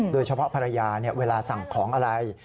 โดยเฉพาะภรรยาเวลาสั่งของอะไร